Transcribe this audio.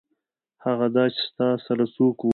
هغه دا چې ستا سره څوک وو.